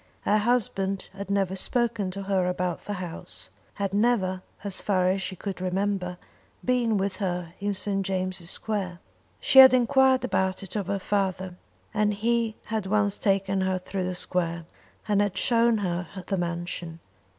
Her husband had never spoken to her about the house, had never, as far as she could remember, been with her in St. James' Square. She had enquired about it of her father, and he had once taken her through the square, and had shown her the mansion.